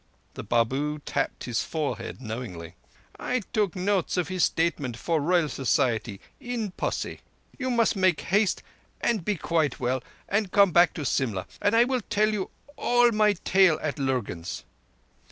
The Babu tapped his forehead knowingly. "I took notes of his statements for Royal Society—in posse. You must make haste and be quite well and come back to Simla, and I will tell you all my tale at Lurgan's.